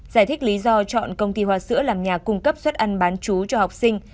giải thích lý do chọn công ty hoa sữa làm nhà cung cấp suất ăn bán chú cho học sinh